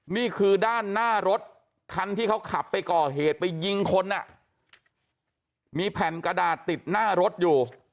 นี่คือด้านหน้ารถคันที่เขาขับไปก่อเหตุไปยิงคนอ่ะมีแผ่นกระดาษติดหน้ารถอยู่